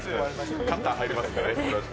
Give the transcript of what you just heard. カッター入りますからね。